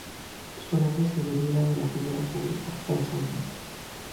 Su nombre se deriva de la figura bíblica Sansón.